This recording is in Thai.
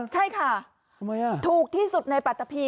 ใช่ค่ะทำไมอ่ะถูกที่สุดในปัตตาผี